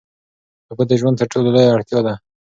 اوبه د ژوند تر ټولو لویه اړتیا ده.